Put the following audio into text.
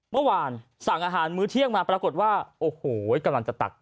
เมื่อวานสั่งอาหารมื้อเที่ยงมาปรากฏว่าโอ้โหกำลังจะตัก